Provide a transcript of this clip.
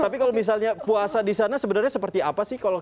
tapi kalau misalnya puasa di sana sebenarnya seperti apa sih